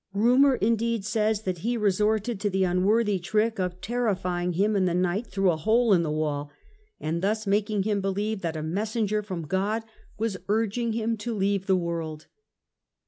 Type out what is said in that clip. Kumour, indeed, says that he resorted to the unworthy trick of terrifying him in the night through a hole in the wall, and thus making him believe that a messenger from God was urging him to leave the world.